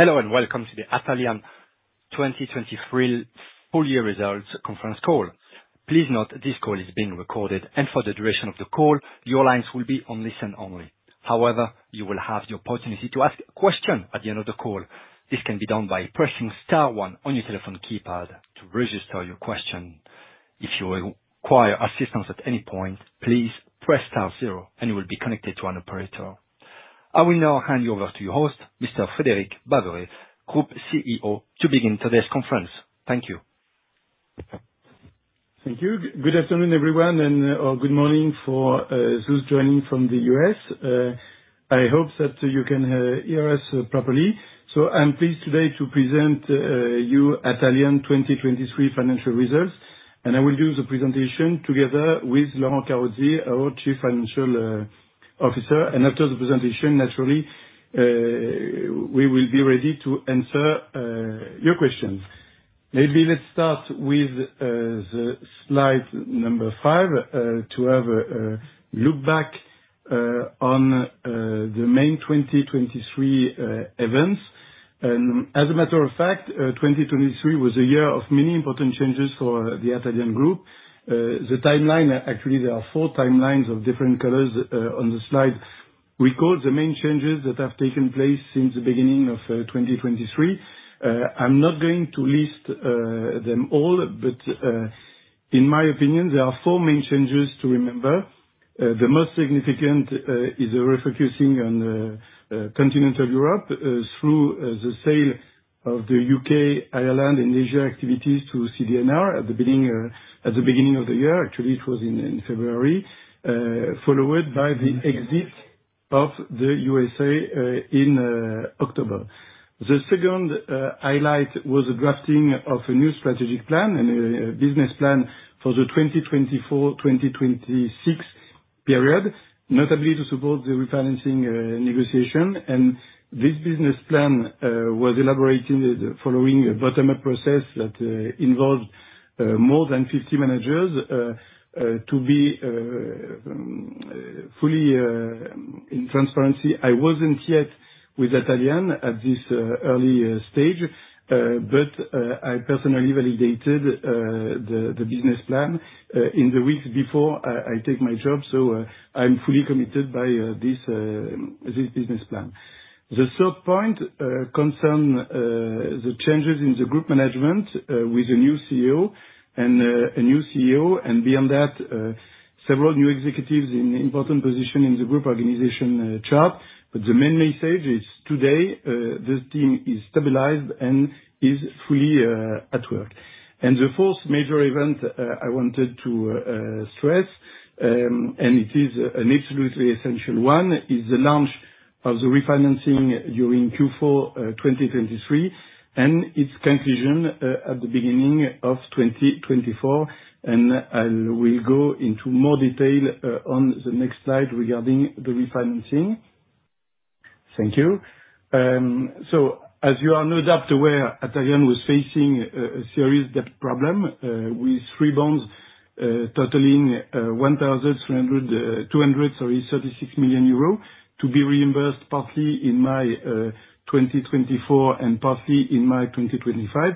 Hello, and welcome to the Atalian 2023 full year results conference call. Please note, this call is being recorded, and for the duration of the call, your lines will be on listen only. However, you will have the opportunity to ask a question at the end of the call. This can be done by pressing star one on your telephone keypad to register your question. If you require assistance at any point, please press star zero, and you will be connected to an operator. I will now hand you over to your host, Mr. Frédéric Baverez, Group CEO, to begin today's conference. Thank you. Thank you. Good afternoon, everyone, and, or good morning for those joining from the US. I hope that you can hear us properly. So I'm pleased today to present you Atalian 2023 financial results, and I will do the presentation together with Laurent Carozzi, our Chief Financial Officer, and after the presentation, naturally, we will be ready to answer your questions. Maybe let's start with the slide number 5 to have a look back on the main 2023 events. And as a matter of fact, 2023 was a year of many important changes for the Atalian group. The timeline, actually, there are four timelines of different colors on the slide, record the main changes that have taken place since the beginning of 2023. I'm not going to list them all, but in my opinion, there are four main changes to remember. The most significant is the refocusing on Continental Europe through the sale of the UK, Ireland, and Asia activities to CD&R at the beginning of the year, actually it was in February, followed by the exit of the USA in October. The second highlight was the drafting of a new strategic plan and a business plan for the 2024-2026 period, notably to support the refinancing negotiation. And this business plan was elaborated following a bottom-up process that involved more than 50 managers to be fully in transparency. I wasn't yet with Atalian at this early stage, but I personally validated the business plan in the weeks before I take my job, so I'm fully committed by this business plan. The third point concern the changes in the group management with a new CEO and beyond that several new executives in important position in the group organization chart. But the main message is, today the team is stabilized and is fully at work. The fourth major event I wanted to stress, and it is an absolutely essential one, is the launch of the refinancing during Q4 2023, and its conclusion at the beginning of 2024, and I will go into more detail on the next slide regarding the refinancing. Thank you. As you are no doubt aware, Atalian was facing a serious debt problem with three bonds totaling 1,336 million euros, to be reimbursed partly in May 2024, and partly in May 2025.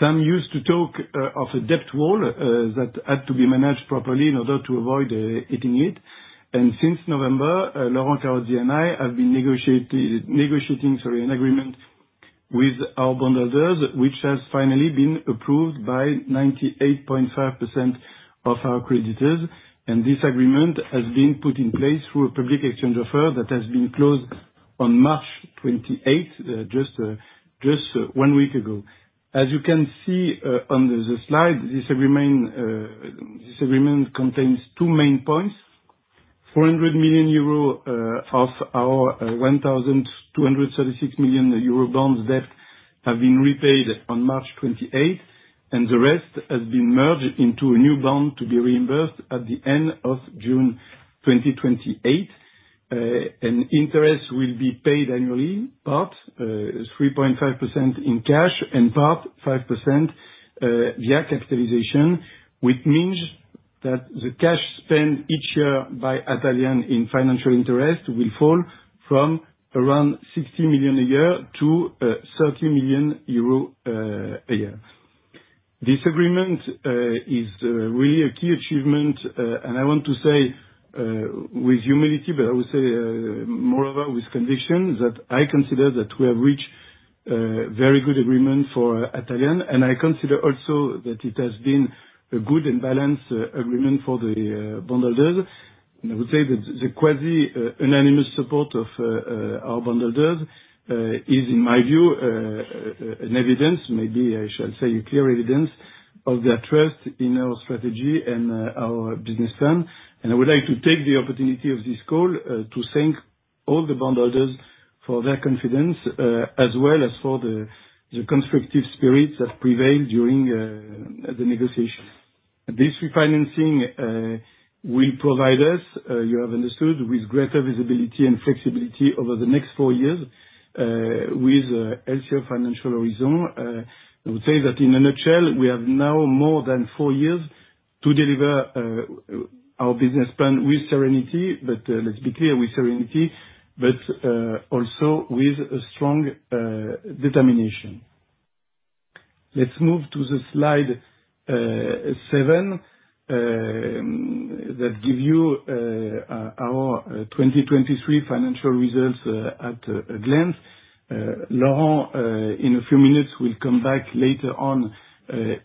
Some used to talk of a debt wall that had to be managed properly in order to avoid hitting it. Since November, Laurent Carozzi and I have been negotiating, sorry, an agreement with our bondholders, which has finally been approved by 98.5% of our creditors. This agreement has been put in place through a public exchange offer that has been closed on March 28th, just one week ago. As you can see, on the slide, this agreement contains two main points: 400 million euro of our 1,236 million euro bonds debt have been repaid on March 28th, and the rest has been merged into a new bond to be reimbursed at the end of June 2028. And interest will be paid annually, part 3.5% in cash, and part 5% via capitalization, which means that the cash spent each year by Atalian in financial interest will fall from around 60 million a year to 30 million euro a year. This agreement is really a key achievement, and I want to say with humility, but I would say moreover with conviction, that I consider that we have reached a very good agreement for Atalian, and I consider also that it has been a good and balanced agreement for the bondholders. And I would say that the quasi unanimous support of our bondholders is, in my view, an evidence, maybe I should say a clear evidence, of their trust in our strategy and our business plan. I would like to take the opportunity of this call to thank all the bondholders for their confidence, as well as for the constructive spirit that prevailed during the negotiations. This refinancing will provide us, you have understood, with greater visibility and flexibility over the next four years, with healthier financial horizon. I would say that in a nutshell, we have now more than four years to deliver our business plan with serenity, but let's be clear, with serenity, but also with a strong determination. Let's move to the slide 7 that give you our 2023 financial results at a glance. Laurent, in a few minutes, will come back later on,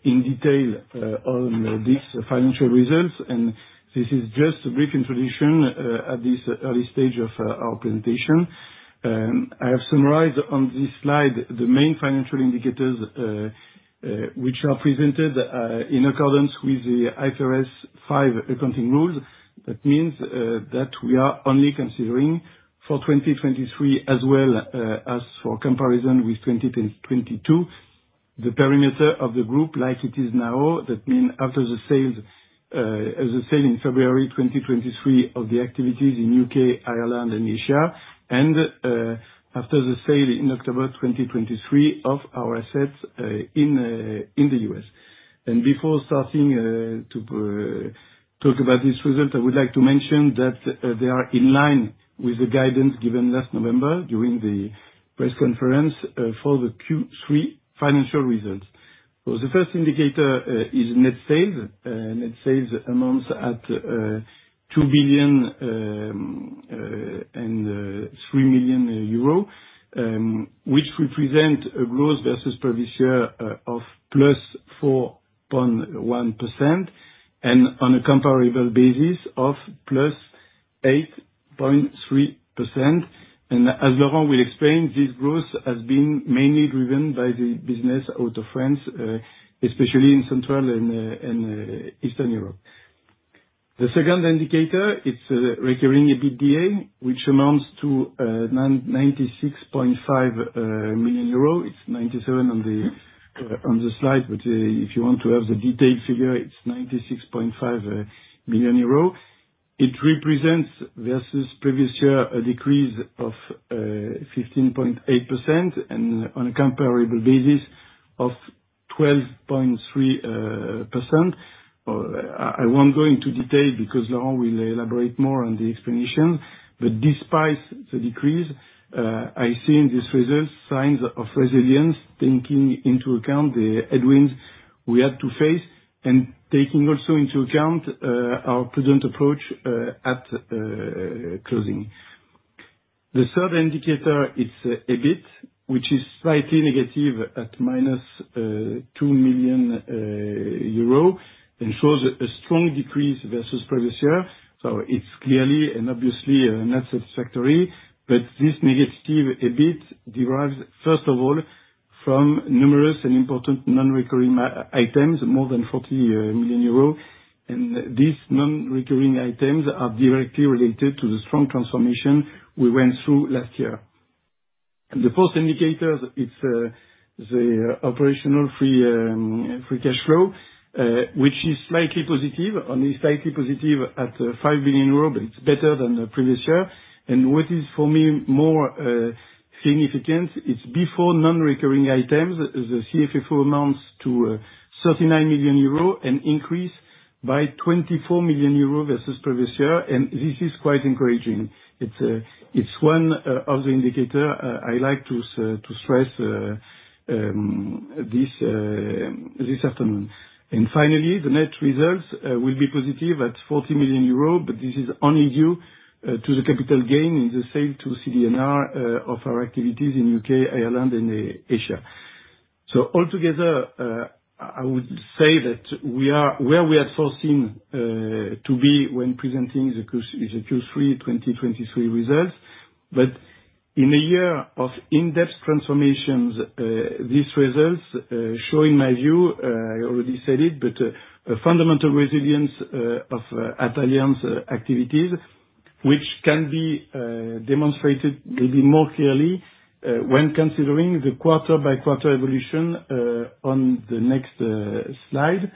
in detail, on these financial results, and this is just a brief introduction, at this early stage of our presentation. I have summarized on this slide the main financial indicators, which are presented in accordance with the IFRS 5 accounting rules. That means, that we are only considering for 2023, as well, as for comparison with 2022, the perimeter of the group like it is now. That mean after the sales, as I said, in February 2023, of the activities in UK, Ireland and Asia, and, after the sale in October 2023 of our assets, in, in the US. And before starting to talk about this result, I would like to mention that they are in line with the guidance given last November during the press conference for the Q3 financial results. So the first indicator is net sales. Net sales amounts at 2.003 billion, which represent a growth versus previous year of +4.1%, and on a comparable basis of +8.3%. And as Laurent will explain, this growth has been mainly driven by the business out of France, especially in Central and Eastern Europe. The second indicator, it's recurring EBITDA, which amounts to 96.5 million euro. It's 97 on the slide, but if you want to have the detailed figure, it's 96.5 million euro. It represents, versus previous year, a decrease of 15.8%, and on a comparable basis, of 12.3%. I won't go into detail because Laurent will elaborate more on the explanation, but despite the decrease, I see in this results signs of resilience, taking into account the headwinds we had to face, and taking also into account our prudent approach at closing. The third indicator is EBIT, which is slightly negative at -2 million euro, and shows a strong decrease versus previous year, so it's clearly and obviously not satisfactory, but this negative EBIT derives, first of all, from numerous and important non-recurring items, more than 40 million euros, and these non-recurring items are directly related to the strong transformation we went through last year. The fourth indicators, it's the operational free cash flow, which is slightly positive, only slightly positive at 5 million euros, but it's better than the previous year. What is, for me, more significant, is before non-recurring items, the CFFO amounts to 39 million euros, an increase by 24 million euros versus previous year, and this is quite encouraging. It's one of the indicator I like to stress this afternoon. And finally, the net results will be positive at 40 million euros, but this is only due to the capital gain in the sale to CD&R of our activities in UK, Ireland and Asia. So altogether, I would say that we are where we had foreseen to be when presenting the Q3 2023 results. But in a year of in-depth transformations, these results show, in my view, I already said it, but, a fundamental resilience of Atalian's activities, which can be demonstrated maybe more clearly when considering the quarter-by-quarter evolution on the next slide.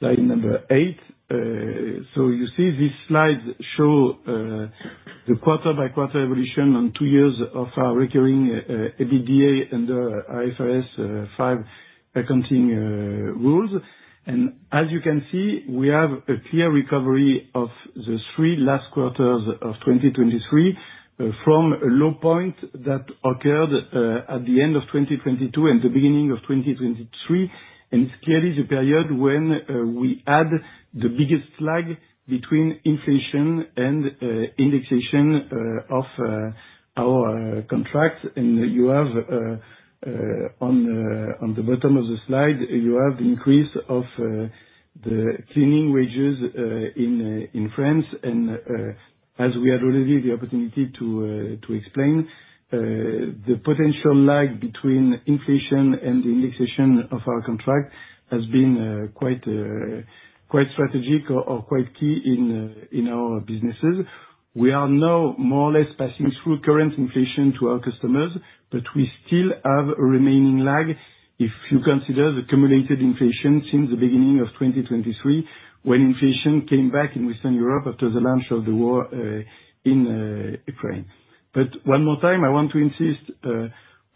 Slide number 8. So you see these slides show, the quarter-by-quarter evolution on 2 years of our recurring, EBITDA under IFRS 5 accounting, rules. And as you can see, we have a clear recovery of the 3 last quarters of 2023, from a low point that occurred, at the end of 2022 and the beginning of 2023. And it's clearly the period when, we had the biggest lag between inflation and, indexation, of, our, contracts. And you have, on the bottom of the slide, you have the increase of, the cleaning wages, in France. As we had already the opportunity to explain, the potential lag between inflation and the indexation of our contract has been quite strategic or quite key in our businesses. We are now more or less passing through current inflation to our customers, but we still have a remaining lag if you consider the cumulative inflation since the beginning of 2023, when inflation came back in Western Europe after the launch of the war in Ukraine. One more time, I want to insist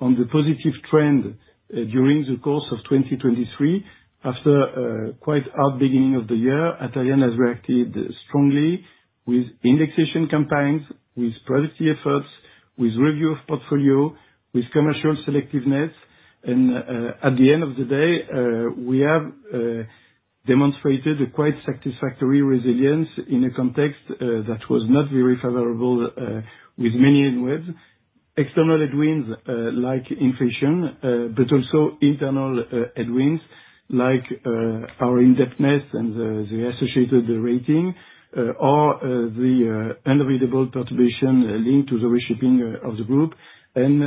on the positive trend during the course of 2023. After a quite hard beginning of the year, Atalian has reacted strongly with indexation campaigns, with productivity efforts, with review of portfolio, with commercial selectiveness, and at the end of the day, we have... demonstrated a quite satisfactory resilience in a context that was not very favorable with many headwinds. External headwinds like inflation, but also internal headwinds like our indebtedness and the, the associated rating or the unavoidable perturbation linked to the reshaping of the group, and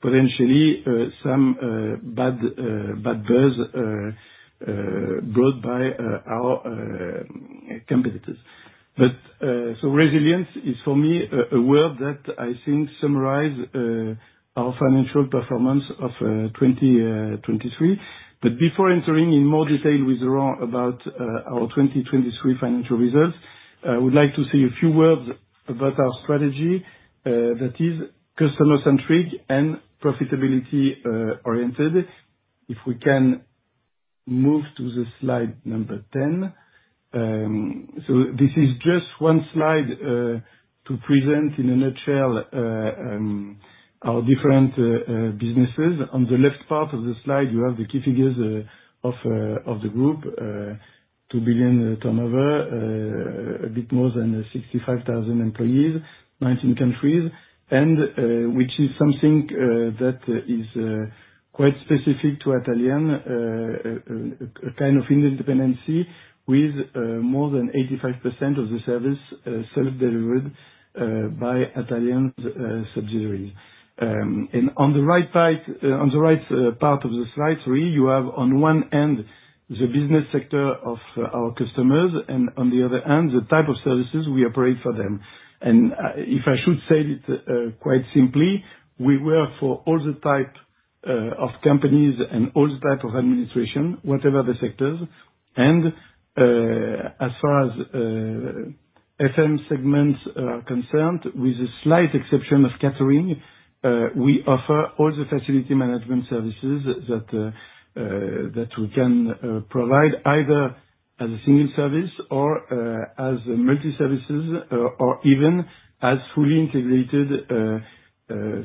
potentially some bad buzz brought by our competitors. So resilience is, for me, a word that I think summarize our financial performance of 2023. But before entering in more detail with Laurent about our 2023 financial results, I would like to say a few words about our strategy that is customer-centric and profitability oriented. If we can move to the slide number 10. So this is just one slide to present in a nutshell our different businesses. On the left part of the slide, you have the key figures of the group. 2 billion turnover, a bit more than 65,000 employees, 19 countries, and which is something that is quite specific to Atalian, kind of independence with more than 85% of the service self-delivered by Atalian subsidiaries. On the right side, on the right part of the slide 3, you have on one end, the business sector of our customers, and on the other end, the type of services we operate for them. If I should say it, quite simply, we work for all the type of companies and all type of administration, whatever the sectors, and, as far as FM segments are concerned, with a slight exception of catering, we offer all the facility management services that we can provide, either as a single service or as multi services, or even as fully integrated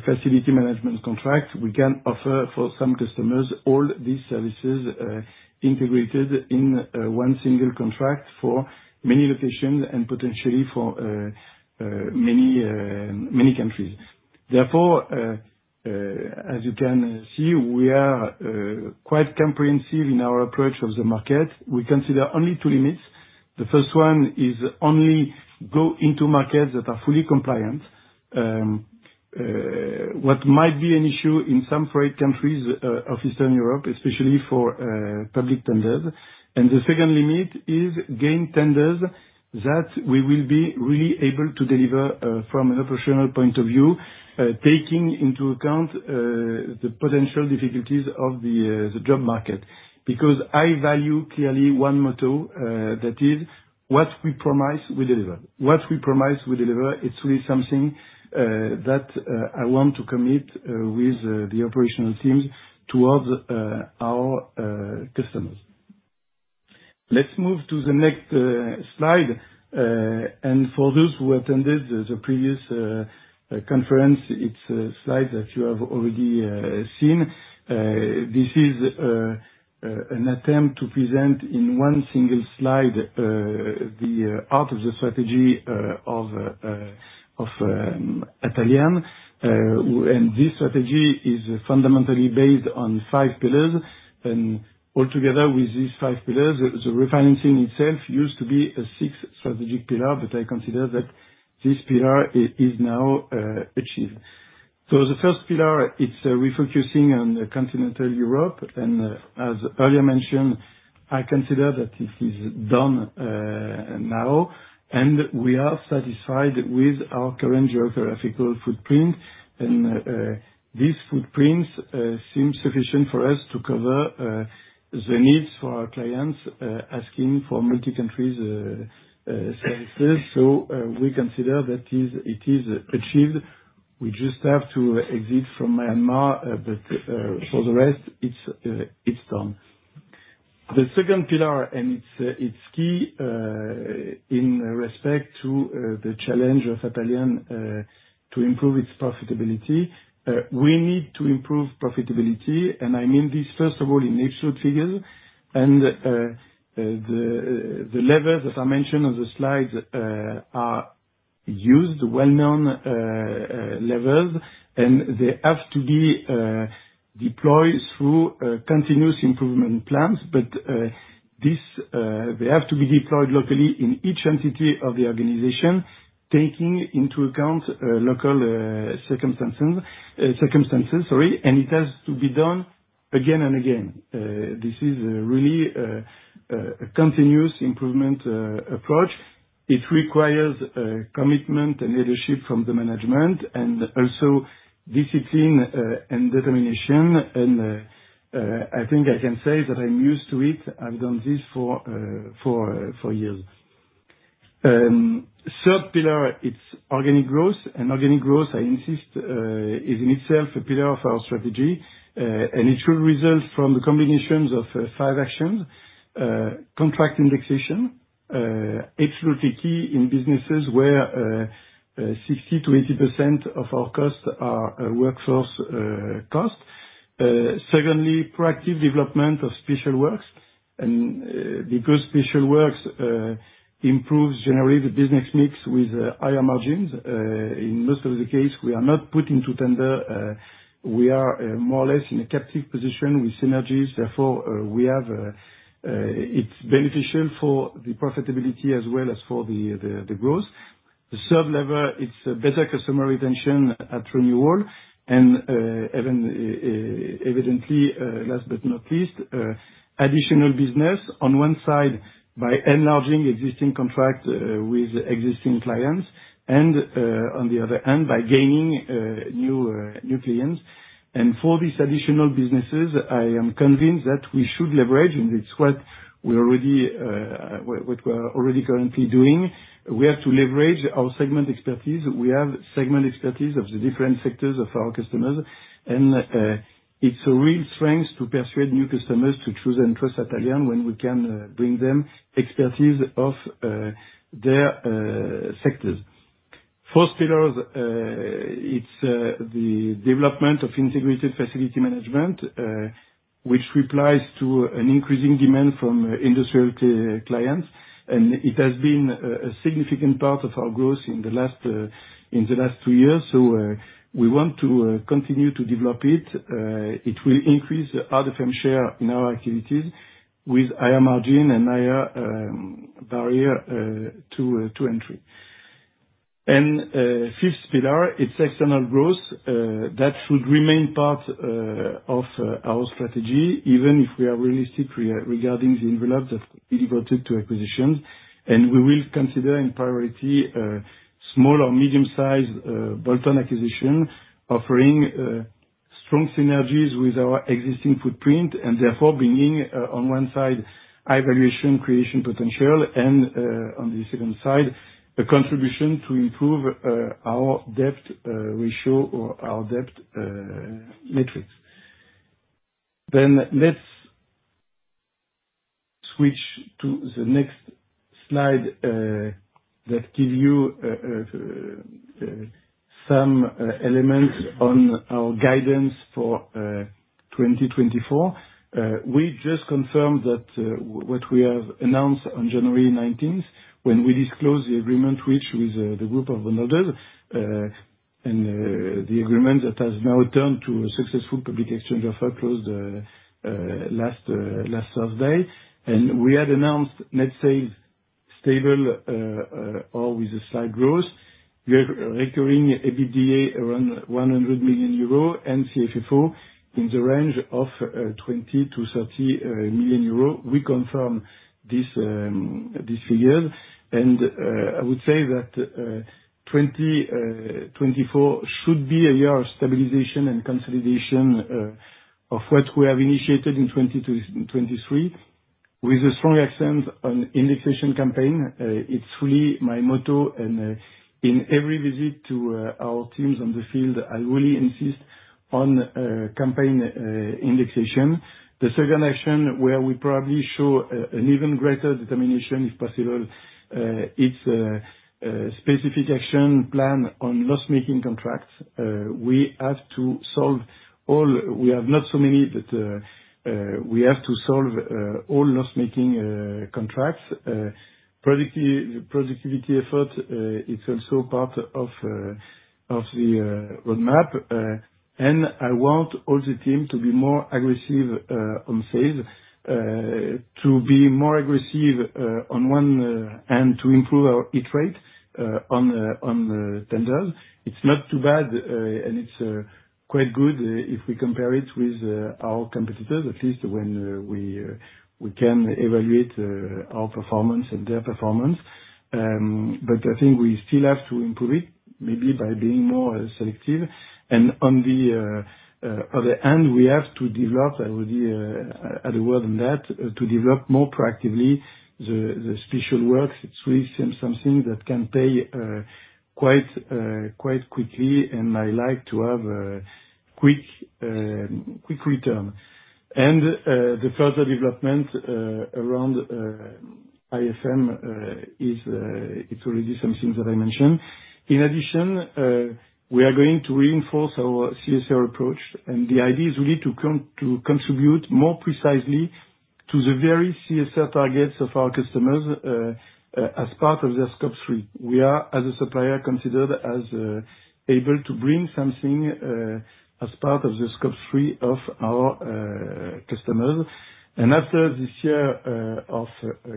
facility management contracts. We can offer, for some customers, all these services integrated in one single contract for many locations and potentially for many countries. Therefore, as you can see, we are quite comprehensive in our approach of the market. We consider only two limits. The first one is only go into markets that are fully compliant. What might be an issue in some great countries of Eastern Europe, especially for public tenders. The second limit is gaining tenders that we will be really able to deliver from an operational point of view, taking into account the potential difficulties of the job market. Because I value clearly one motto that is: what we promise, we deliver. What we promise, we deliver. It's really something that I want to commit with the operational teams towards our customers. Let's move to the next slide. For those who attended the previous conference, it's a slide that you have already seen. This is an attempt to present, in one single slide, the heart of the strategy of Atalian. And this strategy is fundamentally based on five pillars, and altogether with these five pillars, the refinancing itself used to be a sixth strategic pillar, but I consider that this pillar is now achieved. So the first pillar, it's refocusing on Continental Europe, and as earlier mentioned, I consider that this is done now, and we are satisfied with our current geographical footprint, and this footprint seems sufficient for us to cover the needs for our clients asking for multi-countries services. So we consider that is, it is achieved. We just have to exit from Myanmar, but for the rest, it's done. The second pillar, and it's key in respect to the challenge of Atalian to improve its profitability. We need to improve profitability, and I mean this, first of all, in absolute figures, and the levels, as I mentioned on the slide, are used, well-known levels, and they have to be deployed through continuous improvement plans. But this... They have to be deployed locally in each entity of the organization, taking into account local circumstances, sorry, and it has to be done again and again. This is really a continuous improvement approach. It requires commitment and leadership from the management, and also discipline and determination. And I think I can say that I'm used to it. I've done this for years. Third pillar, it's organic growth, and organic growth, I insist, is in itself a pillar of our strategy, and it should result from the combinations of five actions. Contract indexation, absolutely key in businesses where, 60%-80% of our costs are workforce cost. Secondly, proactive development of special works, and, because special works improves generally the business mix with higher margins, in most of the case, we are not put into tender, we are more or less in a captive position with synergies, therefore, we have, it's beneficial for the profitability as well as for the growth. The third lever, it's a better customer retention at renewal, and, even, evidently, last but not least, additional business on one side by enlarging existing contracts, with existing clients, and, on the other end, by gaining new clients. For these additional businesses, I am convinced that we should leverage, and it's what we already, what we're already currently doing. We have to leverage our segment expertise. We have segment expertise of the different sectors of our customers, and, it's a real strength to persuade new customers to choose and trust Atalian when we can, bring them expertise of their sectors. Fourth pillars, it's the development of integrated facility management, which replies to an increasing demand from industrial clients, and it has been a significant part of our growth in the last two years, so we want to continue to develop it. It will increase our FM share in our activities with higher margin and higher barrier to entry. And fifth pillar, it's external growth that should remain part of our strategy, even if we are realistic regarding the envelope that's devoted to acquisition. We will consider in priority small or medium-sized bolt-on acquisition, offering strong synergies with our existing footprint, and therefore bringing on one side, high valuation creation potential, and on the second side, a contribution to improve our debt ratio, or our debt metrics. Let's switch to the next slide that give you some elements on our guidance for 2024. We just confirmed that what we have announced on January 19, when we disclosed the agreement which with the group of noteholders, and the agreement that has now turned to a successful public exchange offer closed last Thursday. We had announced net sales stable or with a slight growth. We are recurring EBITDA around 100 million euro, and CFFO in the range of 20-30 million euro. We confirm this, these figures, and I would say that 2024 should be a year of stabilization and consolidation of what we have initiated in 2023, with a strong accent on indexation campaign. It's really my motto, and in every visit to our teams on the field, I really insist on campaign indexation. The second action, where we probably show an even greater determination, if possible, it's a specific action plan on loss-making contracts. We have to solve all-- we have not so many, but we have to solve all loss-making contracts. Productivity effort is also part of the roadmap, and I want all the team to be more aggressive on sales, to be more aggressive on one, and to improve our hit rate on tenders. It's not too bad, and it's quite good, if we compare it with our competitors, at least when we can evaluate our performance and their performance. But I think we still have to improve it, maybe by being more selective. And on the other end, we have to develop, I would say, add a word on that, to develop more proactively the special works. It's really something that can pay quite quickly, and I like to have a quick return. The further development around IFM is. It's already something that I mentioned. In addition, we are going to reinforce our CSR approach, and the idea is really to contribute more precisely to the very CSR targets of our customers as part of their Scope 3. We are, as a supplier, considered as able to bring something as part of the Scope 3 of our customers. After this year of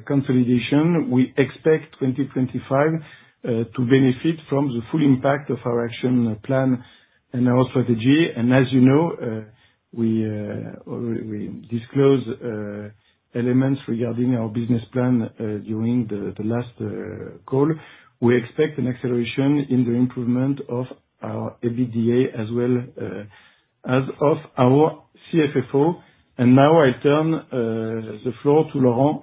consolidation, we expect 2025 to benefit from the full impact of our action plan and our strategy. As you know, we already disclose elements regarding our business plan during the last call. We expect an acceleration in the improvement of our EBITDA, as well as of our CFFO. Now, I turn the floor to Laurent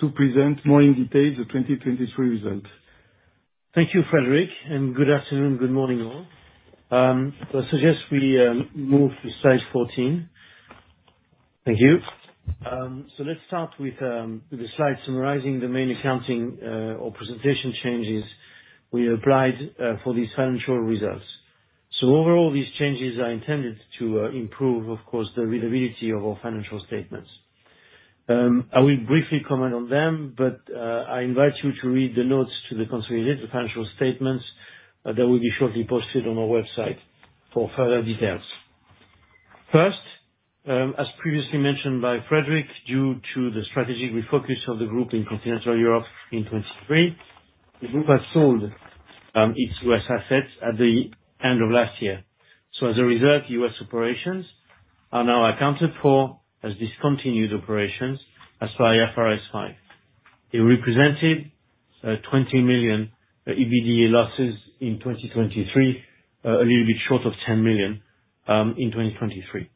to present more in detail the 2023 results. Thank you, Frédéric, and good afternoon, good morning, all. I suggest we move to slide 14. Thank you. So let's start with the slide summarizing the main accounting or presentation changes we applied for these financial results. So overall, these changes are intended to improve, of course, the readability of our financial statements. I will briefly comment on them, but I invite you to read the notes to the consolidated financial statements, that will be shortly posted on our website, for further details. First, as previously mentioned by Frédéric, due to the strategic refocus of the group in Continental Europe in 2023, the group has sold its U.S. assets at the end of last year. So as a result, U.S. operations are now accounted for as discontinued operations as per IFRS 5. It represented 20 million EBITDA losses in 2023, a little bit short of 10 million in 2023.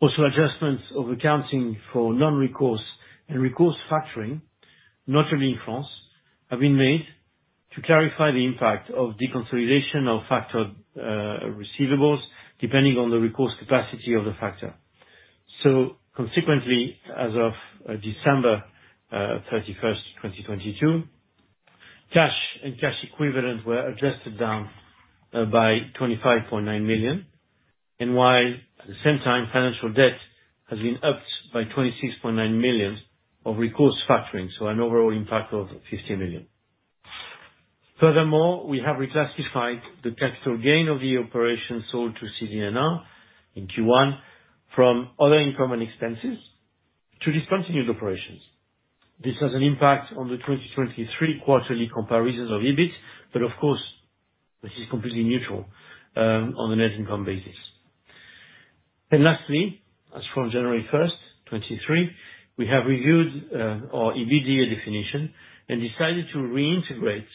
Also, adjustments of accounting for non-recourse and recourse factoring, notably in France, have been made to clarify the impact of deconsolidation of factored receivables, depending on the recourse capacity of the factor. So consequently, as of December 31, 2022, cash and cash equivalents were adjusted down by 25.9 million, and while at the same time, financial debt has been upped by 26.9 million of recourse factoring, so an overall impact of 50 million. Furthermore, we have reclassified the capital gain of the operation sold to CD&R in Q1, from other income and expenses to discontinued operations. This has an impact on the 2023 quarterly comparisons of EBIT, but of course, this is completely neutral on the net income basis. And lastly, as from January 1, 2023, we have reviewed our EBITDA definition, and decided to reintegrate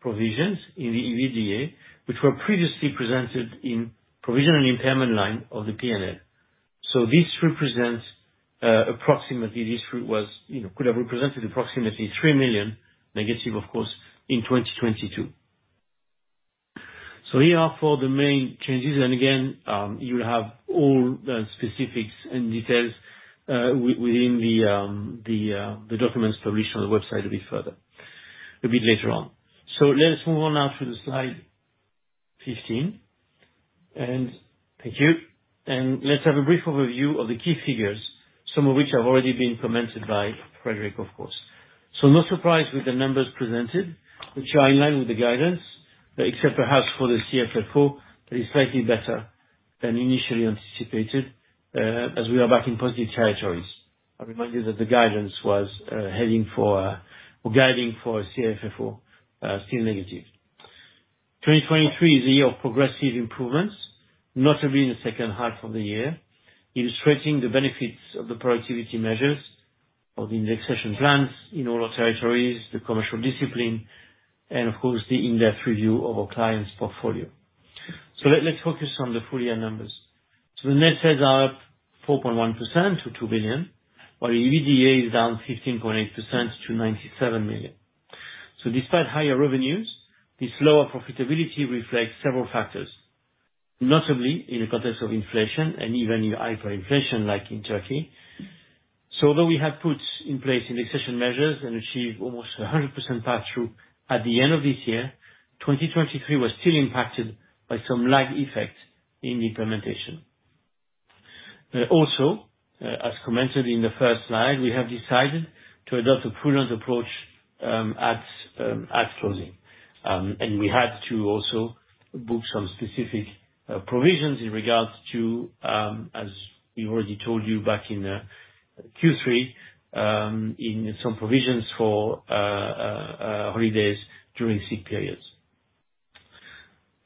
provisions in the EBITDA, which were previously presented in provision and impairment line of the P&L. So this represents, approximately, this, you know, could have represented approximately 3 million, negative of course, in 2022. So here are the main changes, and again, you'll have all the specifics and details within the documents published on the website a bit further, a bit later on. So let's move on now to the slide 15. And thank you. Let's have a brief overview of the key figures, some of which have already been commented by Frédéric, of course. No surprise with the numbers presented, which are in line with the guidance, except perhaps for the CFFO, that is slightly better than initially anticipated, as we are back in positive territories. I remind you that the guidance was heading for, or guiding for CFFO, still negative. 2023 is a year of progressive improvements, notably in the second half of the year, illustrating the benefits of the productivity measures, of the indexation plans in all our territories, the commercial discipline, and of course, the in-depth review of our clients' portfolio. Let's focus on the full year numbers. The net sales are up 4.1% to 2 billion, while the EBITDA is down 15.8% to 97 million. So despite higher revenues, this lower profitability reflects several factors, notably in the context of inflation and even in hyperinflation, like in Turkey. So although we have put in place indexation measures and achieved almost 100% pass-through at the end of this year, 2023 was still impacted by some lag effects in the implementation. Also, as commented in the first slide, we have decided to adopt a prudent approach, at closing. And we had to also book some specific provisions in regards to, as we already told you back in Q3, in some provisions for holidays during sick periods.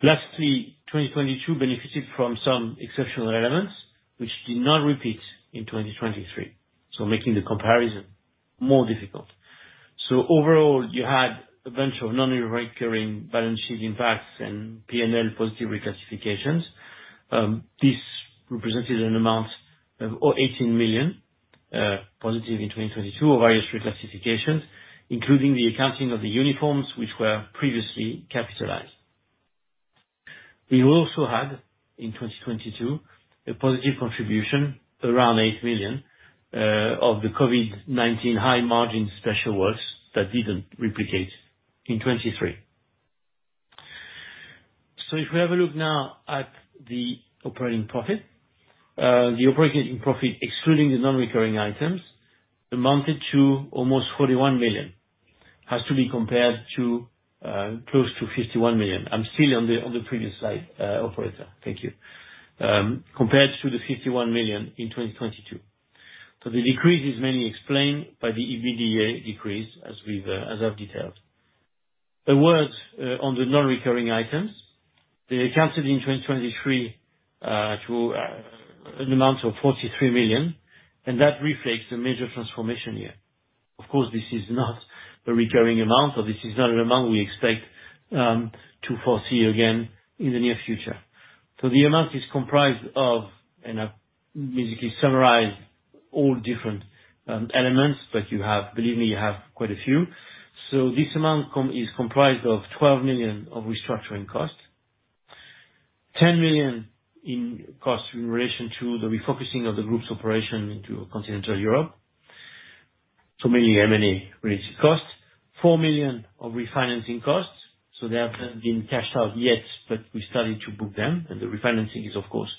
Lastly, 2022 benefited from some exceptional elements, which did not repeat in 2023, so making the comparison more difficult. So overall, you had a bunch of non-recurring balance sheet impacts and P&L positive reclassifications. This represented an amount of 18 million positive in 2022, of various reclassifications, including the accounting of the uniforms, which were previously capitalized. We also had, in 2022, a positive contribution, around 8 million, of the COVID-19 high-margin special works, that didn't replicate in 2023. So if we have a look now at the operating profit, the operating profit, excluding the non-recurring items, amounted to almost 41 million. Has to be compared to, close to 51 million. I'm still on the previous slide, operator. Thank you. Compared to the 51 million in 2022. So the decrease is mainly explained by the EBITDA decrease, as I've detailed. A word on the non-recurring items. They accounted in 2023 to an amount of 43 million, and that reflects a major transformation year. Of course, this is not a recurring amount, or this is not an amount we expect to foresee again in the near future. So the amount is comprised of, and I've basically summarized all different elements, but you have, believe me, you have quite a few. So this amount is comprised of 12 million of restructuring costs. 10 million in costs in relation to the refocusing of the group's operation into Continental Europe. So many M&A related costs. 4 million of refinancing costs, so they haven't been cashed out yet, but we started to book them, and the refinancing is, of course,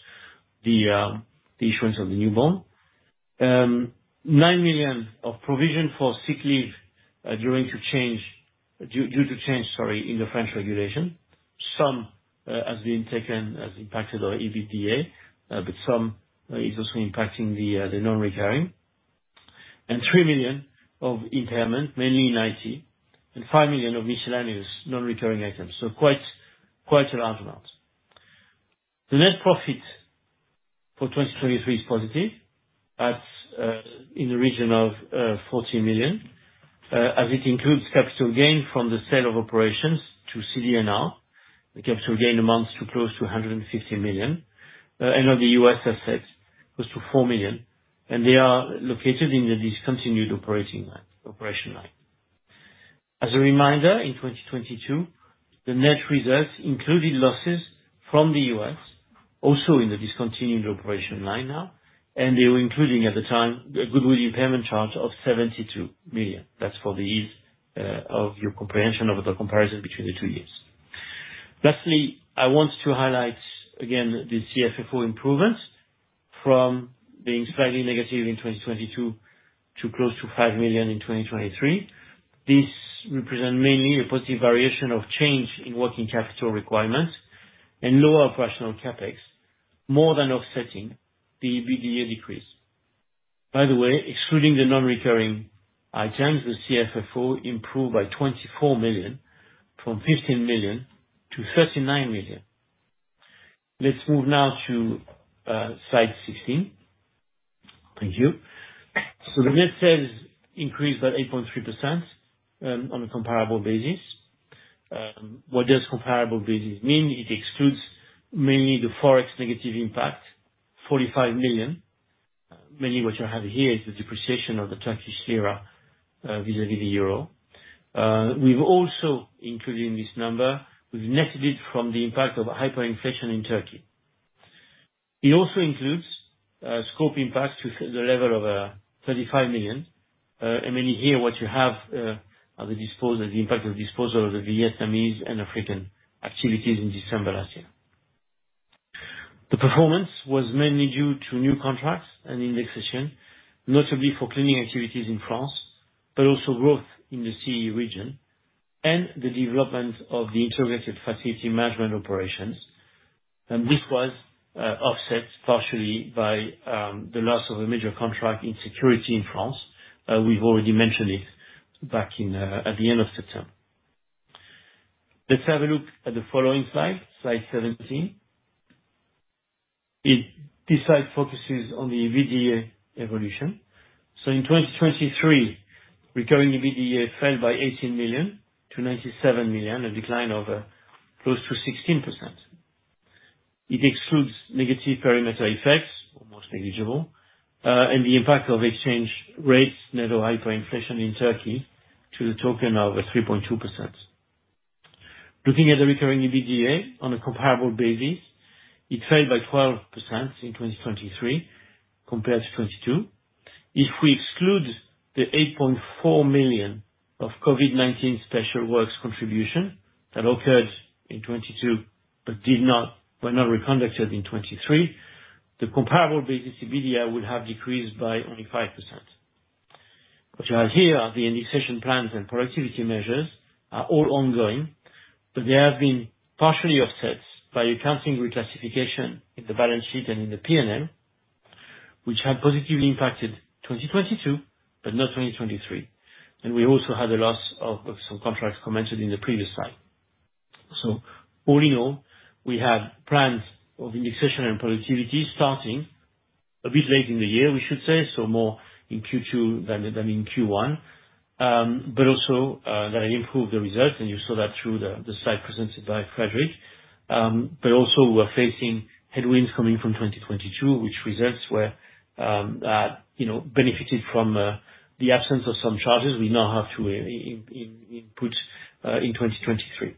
the issuance of the new bond. Nine million of provision for sick leave due to change in the French regulation. Some has been taken, has impacted our EBITDA, but some is also impacting the non-recurring. And three million of impairment, mainly in IT, and five million of miscellaneous non-recurring items. So quite a large amount. The net profit for 2023 is positive, at in the region of 40 million, as it includes capital gain from the sale of operations to CD&R. The capital gain amounts to close to 150 million, and of the US assets, close to 4 million, and they are located in the discontinued operations line. As a reminder, in 2022, the net results included losses from the U.S., also in the discontinued operation line now, and they were including, at the time, a goodwill impairment charge of 72 million. That's for the ease of your comprehension of the comparison between the two years. Lastly, I want to highlight again, the CFFO improvement, from being slightly negative in 2022, to close to 5 million in 2023. This represent mainly a positive variation of change in working capital requirements, and lower operational CapEx, more than offsetting the EBITDA decrease. By the way, excluding the non-recurring items, the CFFO improved by 24 million, from 15 million to 39 million. Let's move now to slide 16. Thank you. So the net sales increased by 8.3%, on a comparable basis. What does comparable basis mean? It excludes mainly the Forex negative impact, 45 million. Mainly what you have here is the depreciation of the Turkish lira vis-a-vis the euro. We've also included in this number, we've netted it from the impact of hyperinflation in Turkey. It also includes scope impact to the level of 35 million. And mainly here, what you have at the disposal, the impact of disposal of the Vietnamese and African activities in December last year. The performance was mainly due to new contracts and indexation, notably for cleaning activities in France, but also growth in the CE region, and the development of the integrated facility management operations. This was offset partially by the loss of a major contract in security in France. We've already mentioned it back in at the end of the term. Let's have a look at the following slide, slide 17. This slide focuses on the EBITDA evolution. So in 2023, recurring EBITDA fell by 18 million to 97 million, a decline of close to 16%. It excludes negative perimeter effects, almost negligible, and the impact of exchange rates and the hyperinflation in Turkey to the tune of 3.2%. Looking at the recurring EBITDA on a comparable basis, it fell by 12% in 2023, compared to 2022. If we exclude the 8.4 million of COVID-19 special works contribution that occurred in 2022 but were not reconducted in 2023, the comparable basis EBITDA would have decreased by only 5%. What you have here are the indexation plans and productivity measures, are all ongoing, but they have been partially offset by accounting reclassification in the balance sheet and in the P&L, which had positively impacted 2022, but not 2023. And we also had a loss of some contracts commented in the previous slide. So all in all, we had plans of indexation and productivity starting a bit late in the year, we should say, so more in Q2 than in Q1. But also, that improved the results, and you saw that through the slide presented by Frédéric. But also, we're facing headwinds coming from 2022, which results were, you know, benefited from the absence of some charges we now have to input in 2023.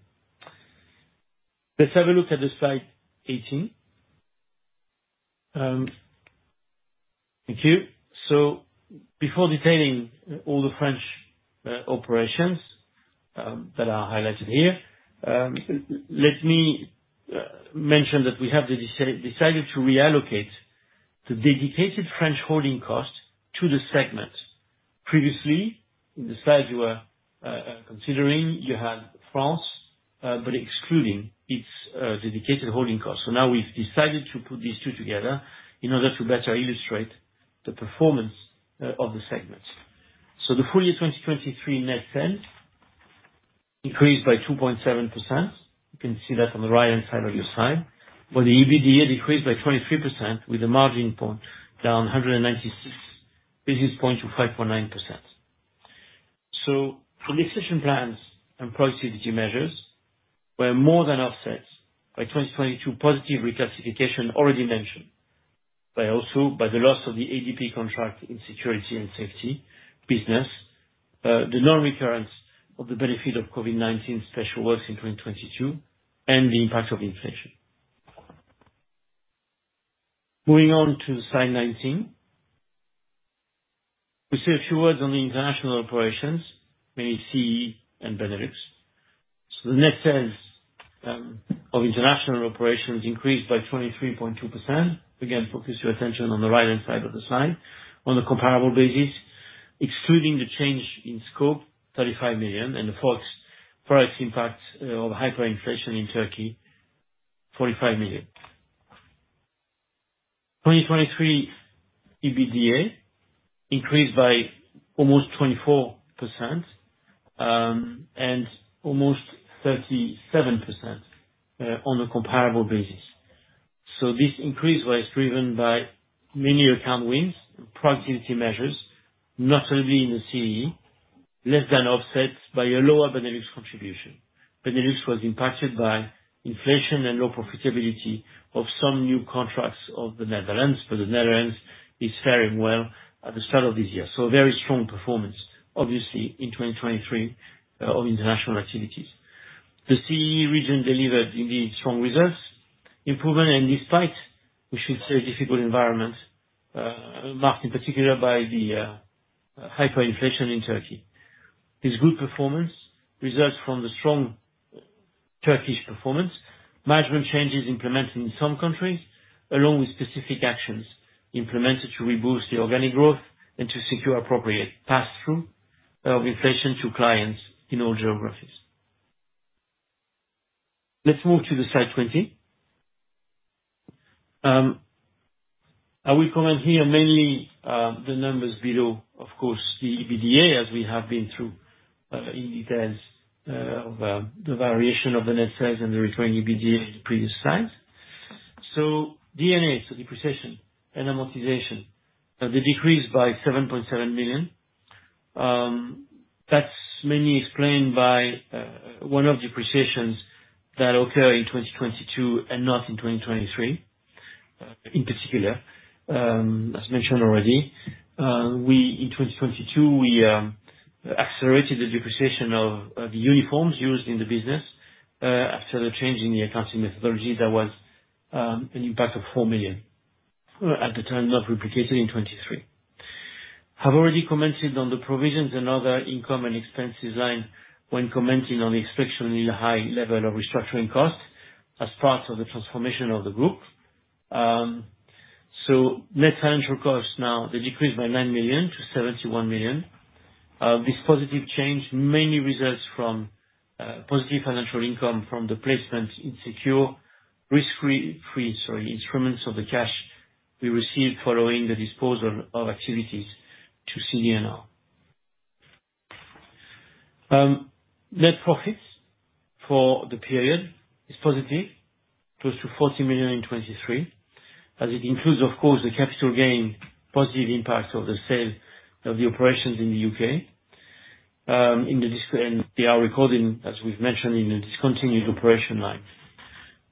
Let's have a look at the slide 18. Thank you. So before detailing all the French operations that are highlighted here, let me mention that we have decided to reallocate the dedicated French holding cost to the segment. Previously, in the slide you were considering, you had France but excluding its dedicated holding cost. So now we've decided to put these two together, in order to better illustrate the performance of the segments. So the full year 2023 net sales increased by 2.7%. You can see that on the right-hand side of your slide. But the EBITDA decreased by 23%, with a margin point down 196 basis points to 5.9%. So indexation plans and productivity measures were more than offset by 2022 positive reclassification already mentioned. but also by the loss of the ADP contract in security and safety business, the non-recurrence of the benefit of COVID-19 special works in 2022, and the impact of inflation. Moving on to slide 19. We say a few words on the international operations, mainly CEE and Benelux. So the net sales of international operations increased by 23.2%. Again, focus your attention on the right-hand side of the slide. On a comparable basis, excluding the change in scope, 35 million, and the full price impact of hyperinflation in Turkey, 45 million. 2023 EBITDA increased by almost 24%, and almost 37% on a comparable basis. So this increase was driven by many account wins and productivity measures, not only in the CEE, less than offset by a lower Benelux contribution. Benelux was impacted by inflation and low profitability of some new contracts of the Netherlands, but the Netherlands is faring well at the start of this year. So very strong performance, obviously, in 2023 of international activities. The CEE region delivered indeed strong results, improvement, and despite, we should say, a difficult environment, marked in particular by the hyperinflation in Turkey. This good performance results from the strong Turkish performance, management changes implemented in some countries, along with specific actions implemented to reboost the organic growth and to secure appropriate pass-through of inflation to clients in all geographies. Let's move to the slide 20. I will comment here mainly the numbers below, of course, the EBITDA, as we have been through in details of the variation of the net sales and the returning EBITDA in the previous slides. So D&A's, depreciation and amortization, they decreased by 7.7 million. That's mainly explained by one of the depreciations that occurred in 2022 and not in 2023. In particular, as mentioned already, we, in 2022, we accelerated the depreciation of the uniforms used in the business, after the change in the accounting methodology, there was an impact of 4 million at the time, not replicated in 2023. I've already commented on the provisions and other income and expenses line when commenting on the exceptionally high level of restructuring costs as part of the transformation of the group. So net financial costs, now, they decreased by 9 million to 71 million. This positive change mainly results from positive financial income from the placement in secure, risk-free instruments of the cash we received following the disposal of activities to CD&R. Net profits for the period is positive, close to 40 million in 2023, as it includes, of course, the capital gain positive impact of the sale of the operations in the UK, in the discontinued operations line, as we've mentioned.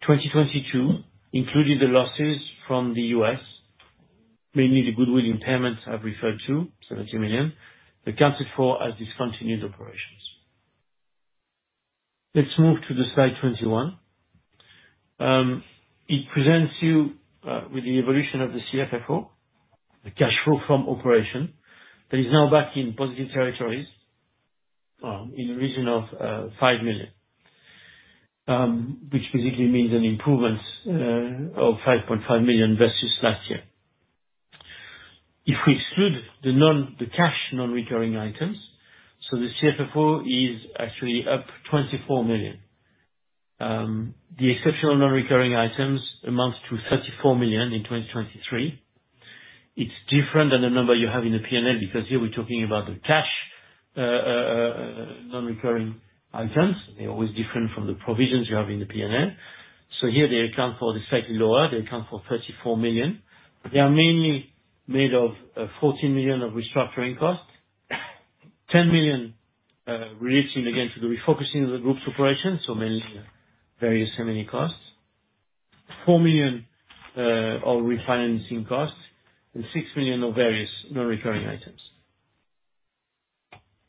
2022, including the losses from the US, mainly the goodwill impairments I've referred to, 70 million, accounted for as discontinued operations. Let's move to the slide 21. It presents you with the evolution of the CFFO, the cash flow from operation, that is now back in positive territories, in the region of 5 million, which basically means an improvement of 5.5 million versus last year. If we exclude the non- the cash non-recurring items, so the CFFO is actually up 24 million. The exceptional non-recurring items amounts to 34 million in 2023. It's different than the number you have in the PNL, because here we're talking about the cash non-recurring items. They're always different from the provisions you have in the PNL. So here, they account for slightly lower, they account for 34 million. They are mainly made of 14 million of restructuring costs, 10 million relating again to the refocusing of the group's operations, so mainly various how many costs? 4 million of refinancing costs and 6 million of various non-recurring items.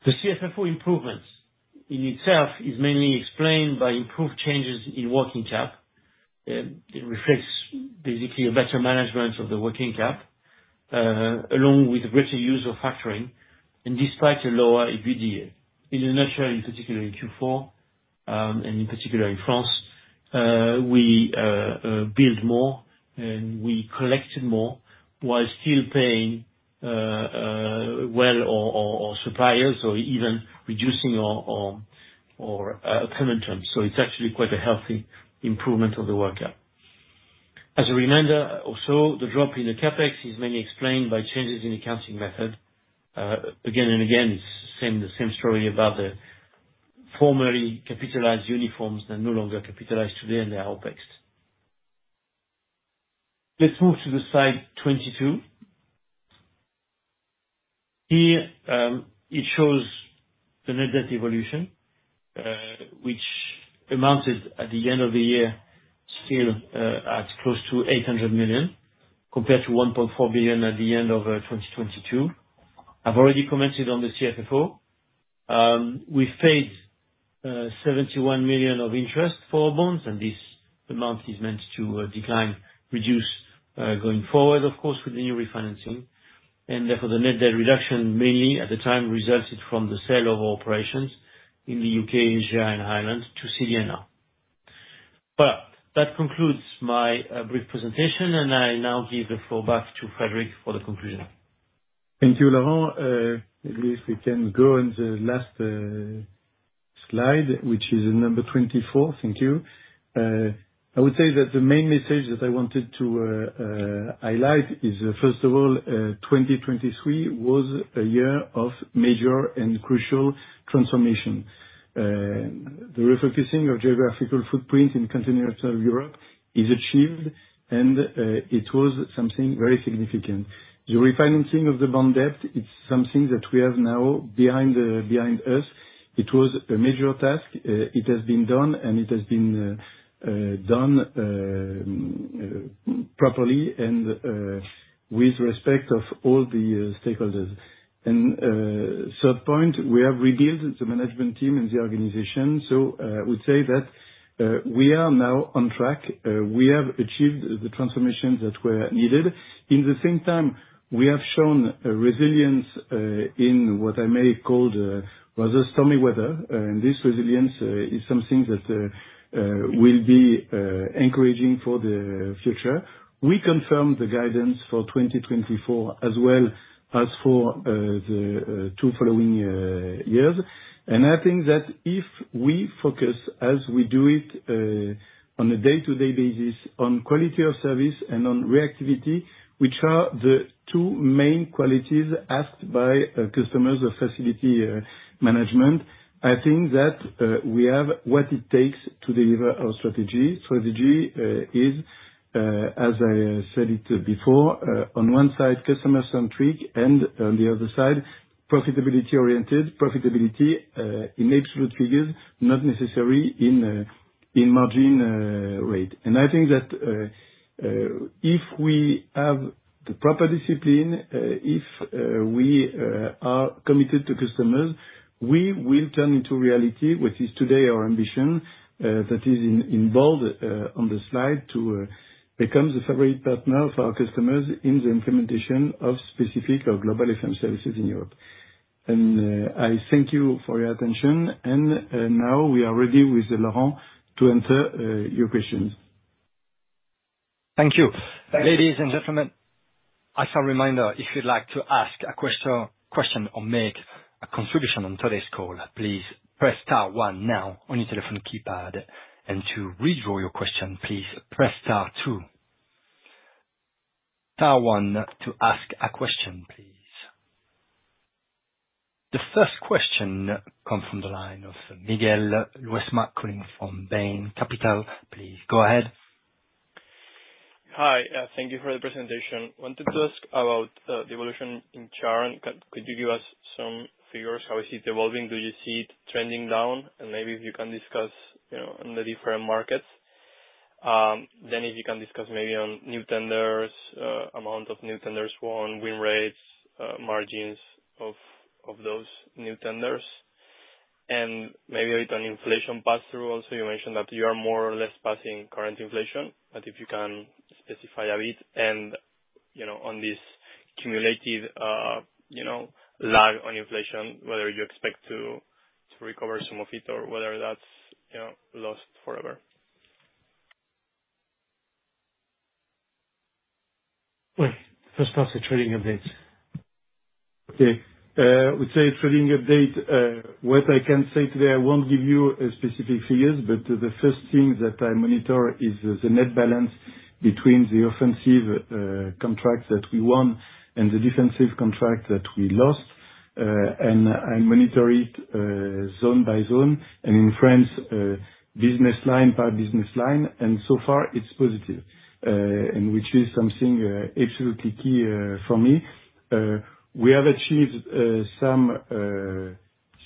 The CFFO improvements in itself is mainly explained by improved changes in working cap. It reflects basically a better management of the working cap, along with greater use of factoring, and despite a lower EBITDA. In the end, naturally, particularly in Q4, and in particular in France, we build more and we collected more, while still paying well our suppliers, or even reducing our payment terms, so it's actually quite a healthy improvement of the working cap. As a reminder, also, the drop in the CapEx is mainly explained by changes in accounting method. Again and again, it's the same story about the formerly capitalized uniforms that are no longer capitalized today, and they are OpEx. Let's move to slide 22. Here, it shows the net debt evolution, which amounted at the end of the year, still, at close to 800 million, compared to 1.4 billion at the end of 2022. I've already commented on the CFFO. We paid 71 million of interest for bonds, and this amount is meant to decline, reduce going forward, of course, with the new refinancing. And therefore, the net debt reduction mainly, at the time, resulted from the sale of operations in the UK, Asia, and Ireland to CD&R. Well, that concludes my brief presentation, and I now give the floor back to Frédéric for the conclusion. Thank you, Laurent. Maybe if we can go on the last slide, which is number 24. Thank you. I would say that the main message that I wanted to highlight is, first of all, 2023 was a year of major and crucial transformation. The refocusing of geographical footprint in Continental Europe is achieved, and it was something very significant. The refinancing of the bond debt, it's something that we have now behind us. It was a major task. It has been done, and it has been done properly, and with respect of all the stakeholders. And third point, we have rebuilt the management team and the organization, so I would say that we are now on track. We have achieved the transformations that were needed. In the same time, we have shown a resilience in what I may call rather stormy weather, and this resilience is something that will be encouraging for the future. We confirm the guidance for 2024, as well as for the two following years. I think that if we focus, as we do it, on a day-to-day basis, on quality of service and on reactivity, which are the two main qualities asked by customers of facility management, I think that we have what it takes to deliver our strategy. Strategy is, as I said it before, on one side, customer-centric, and on the other side, profitability-oriented. Profitability in absolute figures, not necessarily in margin rate. And I think that if we have the proper discipline, if we are committed to customers, we will turn into reality what is today our ambition, that is in bold on the slide, to become the favorite partner for our customers in the implementation of specific or global FM services in Europe. I thank you for your attention. Now, we are ready with Laurent to answer your questions. Thank you. Ladies and gentlemen, as a reminder, if you'd like to ask a question or make a contribution on today's call, please press star one now on your telephone keypad, and to withdraw your question, please press star two. Star one to ask a question, please. The first question comes from the line of Miguel Luis, calling from Bain Capital. Please, go ahead. Hi, thank you for the presentation. Wanted to ask about the evolution in churn. Could you give us some figures, how is it evolving? Do you see it trending down? And maybe if you can discuss, you know, on the different markets. Then if you can discuss maybe on new tenders, amount of new tenders won, win rates, margins of those new tenders, and maybe with an inflation pass-through also, you mentioned that you are more or less passing current inflation, but if you can specify a bit and, you know, on this cumulative, you know, lag on inflation, whether you expect to recover some of it or whether that's, you know, lost forever. Well, first off, the trading update. Okay. I would say trading update, what I can say today, I won't give you specific figures, but the first thing that I monitor is the net balance between the offensive contracts that we won and the defensive contract that we lost. And I monitor it zone by zone, and in France, business line by business line, and so far, it's positive, and which is something absolutely key for me. We have achieved some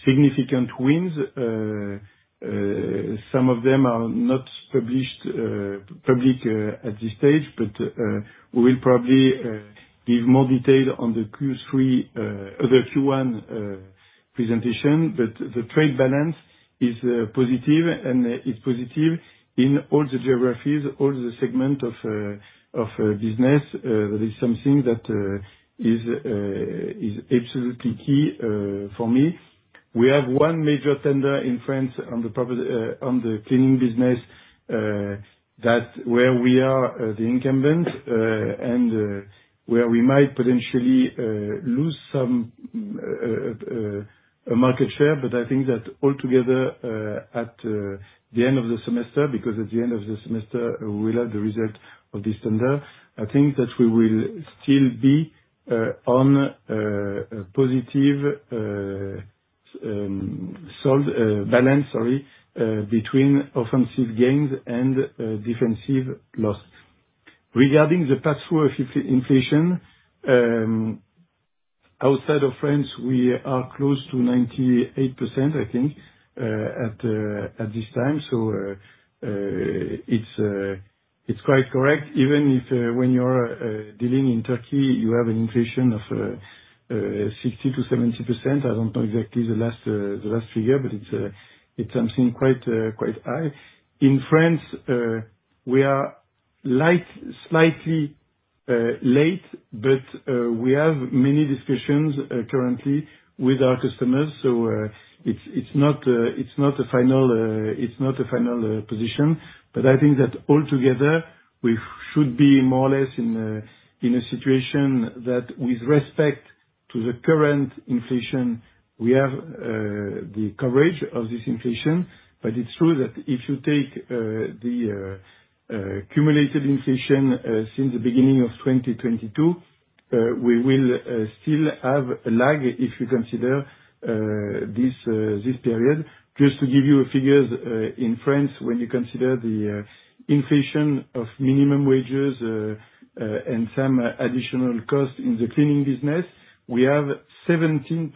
significant wins. Some of them are not published public at this stage, but we will probably give more detail on the Q3 or the Q1 presentation. But the trade balance is positive, and is positive in all the geographies, all the segment of business. That is something that is absolutely key for me. We have one major tender in France on the cleaning business that, where we are the incumbent and where we might potentially lose some market share. But I think that altogether at the end of the semester, because at the end of the semester, we will have the result of this tender, I think that we will still be on a positive balance, sorry, between offensive gains and defensive losses. Regarding the pass through of inflation outside of France, we are close to 98%, I think, at this time. So, it's quite correct, even if, when you're dealing in Turkey, you have an inflation of 60%-70%. I don't know exactly the last figure, but it's something quite high. In France, we are slightly late, but we have many discussions currently with our customers, so it's not a final position. But I think that altogether, we should be more or less in a situation that with respect to the current inflation, we have the coverage of this inflation. But it's true that if you take the cumulative inflation since the beginning of 2022, we will still have a lag if you consider this period. Just to give you figures, in France, when you consider the inflation of minimum wages and some additional costs in the cleaning business, we have 17%,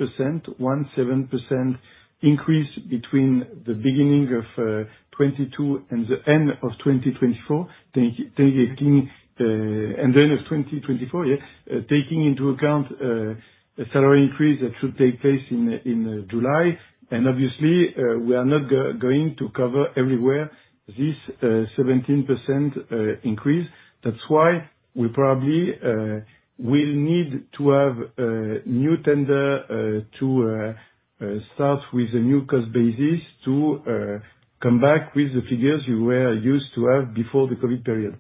17% increase between the beginning of 2022 and the end of 2024, taking into account the salary increase that should take place in July. And obviously, we are not going to cover everywhere this 17% increase. That's why we probably will need to have new tender to start with a new cost basis to come back with the figures we were used to have before the COVID period.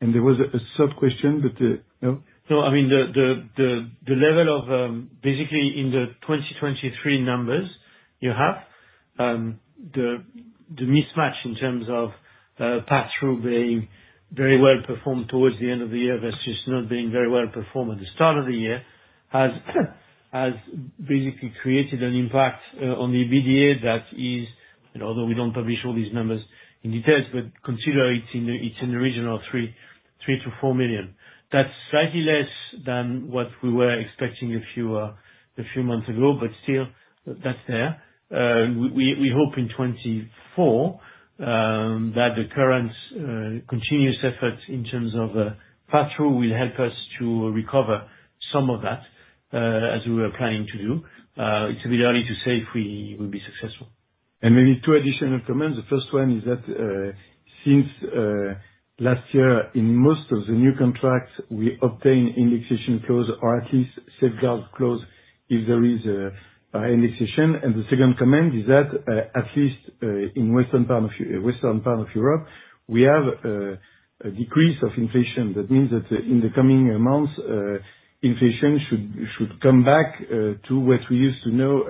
There was a third question, but no? No, I mean, the level of, basically in the 2023 numbers you have, the mismatch in terms of pass-through being very well performed towards the end of the year, versus not being very well performed at the start of the year, has basically created an impact on the EBITDA. That is, and although we don't publish all these numbers in details, but consider it's in, it's in the region of 3-4 million. That's slightly less than what we were expecting a few months ago, but still, that's there. We hope in 2024 that the current continuous efforts in terms of pass-through will help us to recover some of that, as we were planning to do. It's a bit early to say if we will be successful. And maybe two additional comments. The first one is that, since last year, in most of the new contracts, we obtained indexation clause, or at least safeguard clause, if there is a indexation. And the second comment is that, at least, in western part of Europe, we have a decrease of inflation. That means that, in the coming months, inflation should come back to what we used to know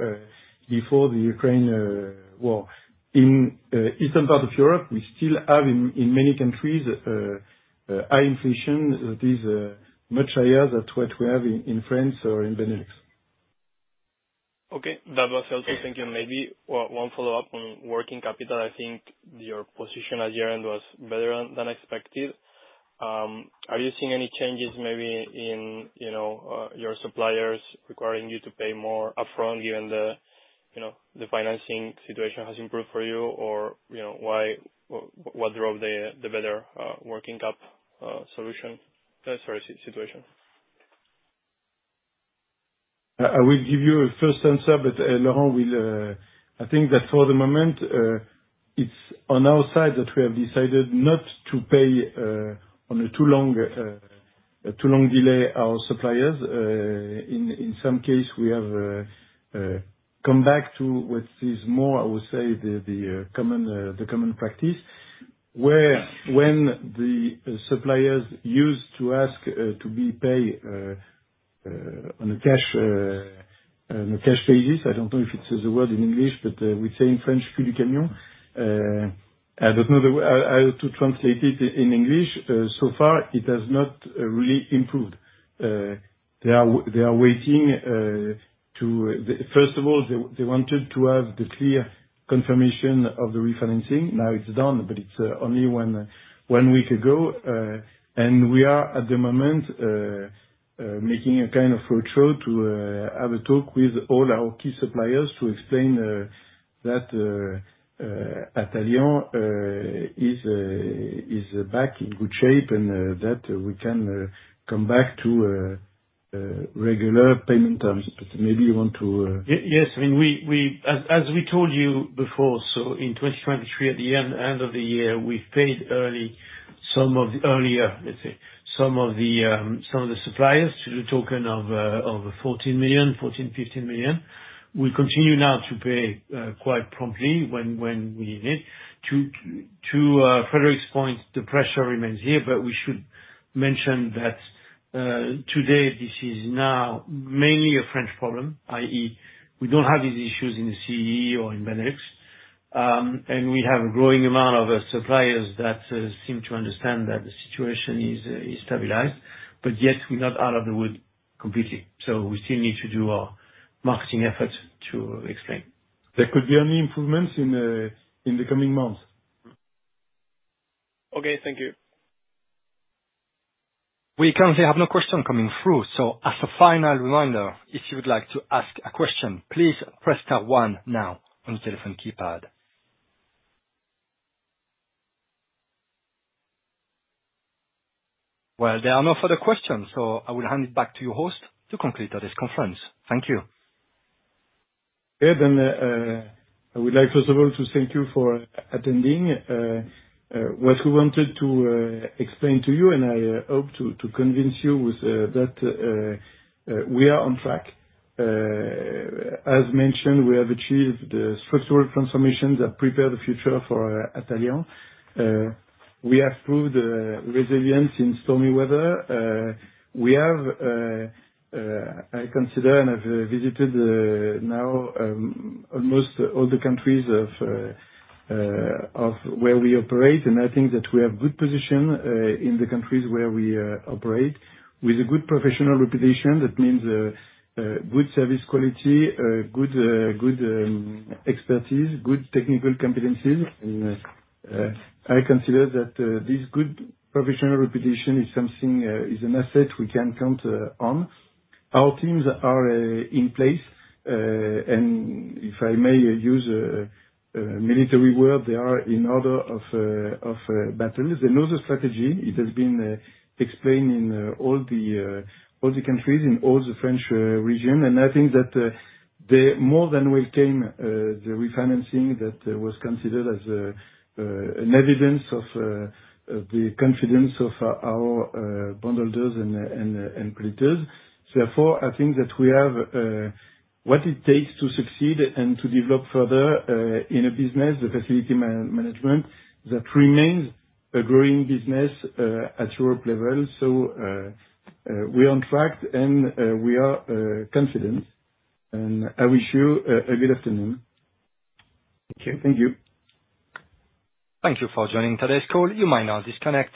before the Ukraine war. In eastern part of Europe, we still have in many countries high inflation. It is much higher than what we have in France or in Benelux. Okay, that was also thank you. Maybe one follow-up on working capital, I think your position at year-end was better than expected. Are you seeing any changes maybe in, you know, your suppliers requiring you to pay more upfront, given the, you know, the financing situation has improved for you? Or, you know, why, what drove the, the better working cap situation? I will give you a first answer, but Laurent will... I think that for the moment, it's on our side, that we have decided not to pay on a too long, a too long delay, our suppliers. In some case, we have come back to what is more, I would say, the common practice, where when the suppliers used to ask to be paid on a cash, on a cash basis, I don't know if it's the word in English, but we say in French, cul au camion. I don't know how to translate it in English. So far, it has not really improved. They are waiting to... First of all, they wanted to have the clear confirmation of the refinancing. Now it's done, but it's only one week ago. And we are, at the moment, making a kind of roadshow to have a talk with all our key suppliers, to explain that Atalian is back in good shape, and that we can come back to regular payment terms. But maybe you want to... Yes, I mean, we, as we told you before, so in 2023, at the end of the year, we paid early some of the suppliers earlier, let's say, to the tune of 14-15 million. We continue now to pay quite promptly when we need. To Frédéric's point, the pressure remains here, but we should mention that today, this is now mainly a French problem, i.e., we don't have these issues in the CEE or in Benelux. And we have a growing amount of suppliers that seem to understand that the situation is stabilized, but yet we're not out of the woods completely. So we still need to do our marketing efforts to explain.... There could be any improvements in the coming months. Okay, thank you. We currently have no question coming through, so as a final reminder, if you would like to ask a question, please press star one now on your telephone keypad. Well, there are no further questions, so I will hand it back to your host to conclude today's conference. Thank you. Yeah, then I would like, first of all, to thank you for attending. What we wanted to explain to you, and I hope to convince you with that we are on track. As mentioned, we have achieved the structural transformations that prepare the future for Atalian. We have proved resilience in stormy weather. We have, I consider, and I've visited now almost all the countries of where we operate, and I think that we have good position in the countries where we operate, with a good professional reputation. That means good service quality, good expertise, good technical competencies, and I consider that this good professional reputation is something is an asset we can count on. Our teams are in place, and if I may use a military word, they are in order of battles. They know the strategy. It has been explained in all the countries, in all the French region, and I think that they more than welcomed the refinancing that was considered as an evidence of the confidence of our bondholders and creditors. Therefore, I think that we have what it takes to succeed and to develop further in a business, the facility management, that remains a growing business at Europe level. So, we're on track and we are confident, and I wish you a good afternoon. Okay, thank you. Thank you for joining today's call. You may now disconnect.